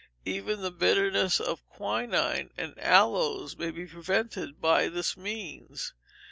Even the bitterness of quinine and aloes may be prevented by this means.